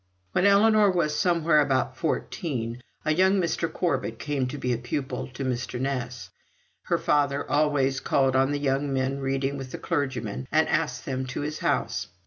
When Ellinor was somewhere about fourteen, a young Mr. Corbet came to be pupil to Mr. Ness. Her father always called on the young men reading with the clergyman, and asked them to his house.